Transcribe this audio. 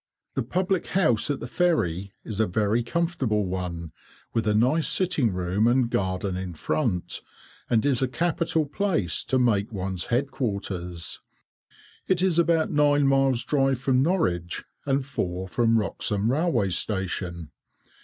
The public house at the ferry is a very comfortable one, with a nice sitting room and garden in front, and is a capital place to make one's head quarters. It is about nine miles drive from Norwich, and four from Wroxham railway station.